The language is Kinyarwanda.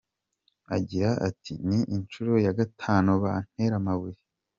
Agira ati "Ni inshuro ya gatanu bantera amabuye.